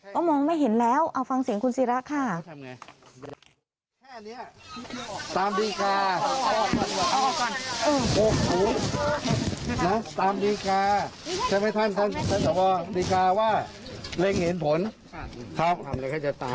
ก็มองไม่เห็นแล้วเอาฟังเสียงคุณศิราค่ะ